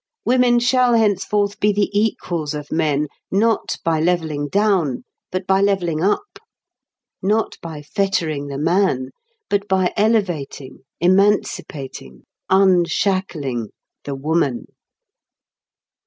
Women shall henceforth be the equals of men, not by levelling down, but by levelling up; not by fettering the man, but by elevating, emancipating, unshackling the woman.